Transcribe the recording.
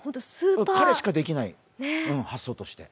彼しかできない発想として。